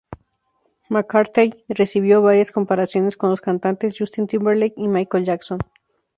McCartney recibió varias comparaciones con los cantantes Justin Timberlake y Michael Jackson.